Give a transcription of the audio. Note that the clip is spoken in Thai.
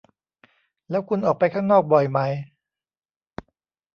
แล้วคุณออกไปข้างนอกบ่อยไหม ?